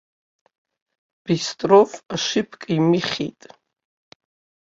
Бистров ашиԥка имыхьит.